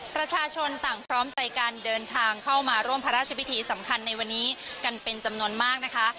ประชาชนต่างพร้อมใจการเดินทางเข้ามาร่วมพระราชพิธีสำคัญในวันนี้กันเป็นจำนวนมากนะคะ